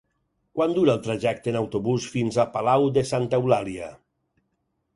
Quant dura el trajecte en autobús fins a Palau de Santa Eulàlia?